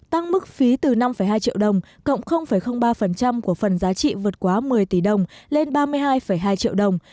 tăng mức phí từ năm hai triệu đồng cộng ba của phần giá trị vượt quá một mươi tỷ đồng lên ba mươi hai hai triệu đồng